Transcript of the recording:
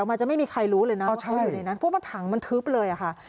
ถ้ามันจะไม่มีใครรู้เลยนะพวกมันเต้ยทึบเลยค่ะ